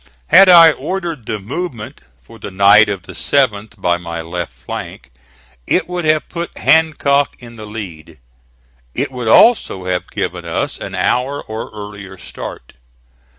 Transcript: Had I ordered the movement for the night of the 7th by my left flank, it would have put Hancock in the lead. It would also have given us an hour or earlier start.